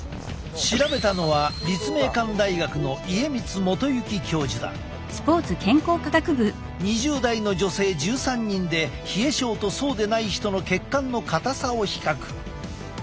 調べたのは２０代の女性１３人で冷え症とそうでない人の血管の硬さを比較。